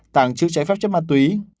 tàng trữ trái phép chất ma túy